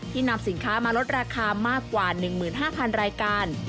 นำสินค้ามาลดราคามากกว่า๑๕๐๐๐รายการ